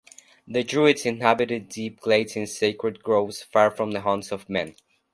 The Druids inhabited deep glades in sacred groves far from the haunts of men.